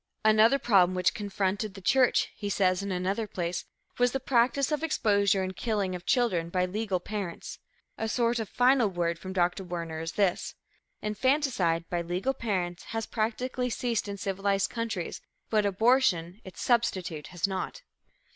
"Another problem which confronted the church," he says in another place, "was the practice of exposure and killing of children by legal parents." A sort of final word from Dr. Werner is this: "Infanticide by legal parents has practically ceased in civilized countries, but abortion, its substitute, has not."